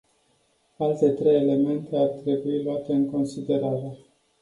Alte trei elemente ar trebui luate în considerare.